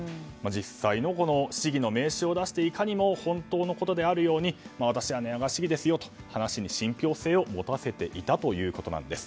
実際の市議の名刺を出していかにも本当のことであるように私は寝屋川市議ですよと話に信憑性を持たせていたということなんです。